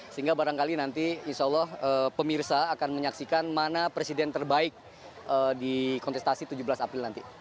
sehingga barangkali nanti insya allah pemirsa akan menyaksikan mana presiden terbaik di kontestasi tujuh belas april nanti